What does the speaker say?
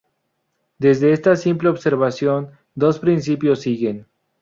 Desde esta simple observación, dos principios siguen.